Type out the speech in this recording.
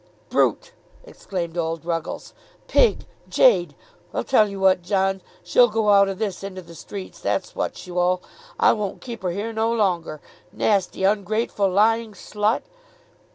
"Brute!" exclaimed old Ruggles. "Pig! Jade! I'll tell'ee what, John. She'll go out o' this into the streets; that's what she wull. I won't keep her here, no longer; nasty, ungrateful, lying slut."